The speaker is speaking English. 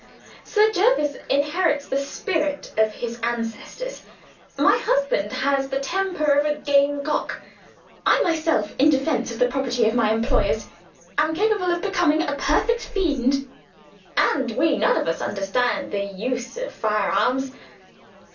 Sir Jervis inherits the spirit of his ancestors. My husband has the temper of a game cock. I myself, in defense of the property of my employers, am capable of becoming a perfect fiend. And we none of us understand the use of firearms!"